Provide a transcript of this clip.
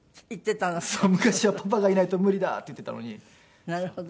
昔は「パパがいないと無理だ」って言っていたのに。